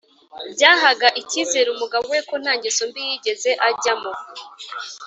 byahaga icyizere umugabo we ko nta ngeso mbi yigeze ajyamo